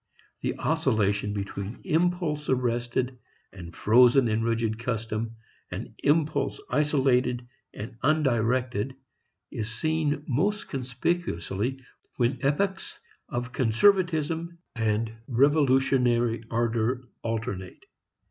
The oscillation between impulse arrested and frozen in rigid custom and impulse isolated and undirected is seen most conspicuously when epochs of conservatism and revolutionary ardor alternate.